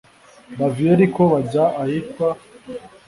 Bava i yeriko bajya ahitwa